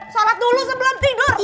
salat dulu sebelum tidur